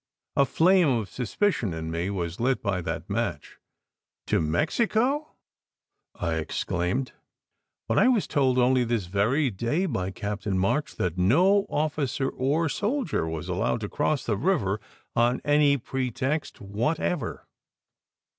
A flame of suspicion in me was lit by that match. "To Mexico!" I exclaimed. "But I was told only this very day, by Captain March, that no officer or soldier was allowed to cross the river on any pretext whatever."